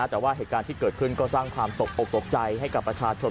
แต่ว่าเหตุการณ์ที่เกิดขึ้นก็สร้างความตกออกตกใจให้กับประชาชน